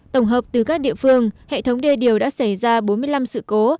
tổng hợp từ các địa phương hệ thống đê điều đã xảy ra bốn mươi năm sự cố